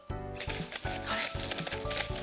あれ？